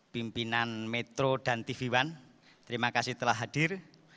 pimpinan metro dan tv one terima kasih telah hadir